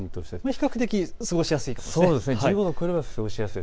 比較的過ごしやすいですね。